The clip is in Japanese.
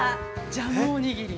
ジャムおにぎり。